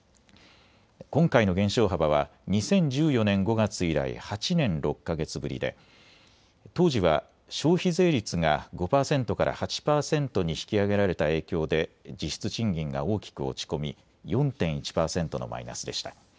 今回の減少幅は２０１４年５月以来８年６か月ぶりで当時は消費税率が５％から８％に引き上げられた影響で実質賃金が大きく落ち込み４．１％のマイナスでした。